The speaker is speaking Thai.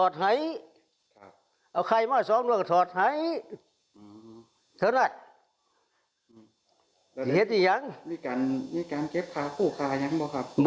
นี่การเก็บขาผู้ขายังเปล่าครับ